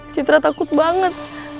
citra takut banget